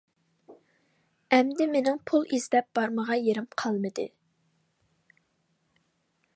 ئەمدى مېنىڭ پۇل ئىزدەپ بارمىغان يېرىم قالمىدى.